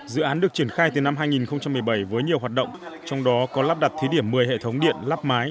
dự án được triển khai từ năm hai nghìn một mươi bảy với nhiều hoạt động trong đó có lắp đặt thí điểm một mươi hệ thống điện lắp mái